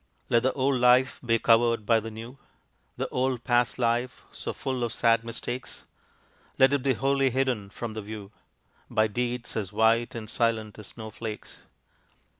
Let the old life be covered by the new: The old past life so full of sad mistakes, Let it be wholly hidden from the view By deeds as white and silent as snow flakes.